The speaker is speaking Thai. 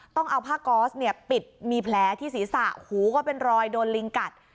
ต้องเอาผ้าก๊อสเนี่ยปิดมีแผลที่ศีรษะหูก็เป็นรอยโดนลิงกัด